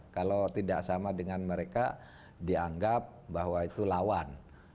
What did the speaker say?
kalau tidak sama dengan mereka dianggap bahwa itu lawan